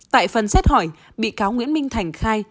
tại phần xét hỏi bị cáo nguyễn minh thành khai